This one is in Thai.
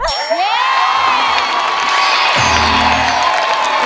สุดท้าย